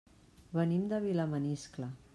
Venim de Vilamaniscle.